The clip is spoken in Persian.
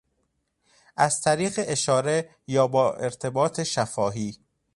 از طریق اشاره یا با ارتباط شفاهی